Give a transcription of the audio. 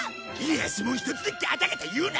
安物一つでガタガタ言うな！